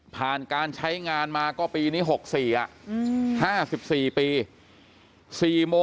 ผ่านการใช้งานมาก็ปีนี้๖๔๕๔ปี